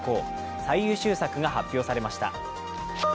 最優秀作が発表されました。